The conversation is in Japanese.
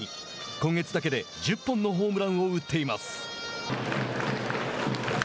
今月だけで１０本のホームランを打っています。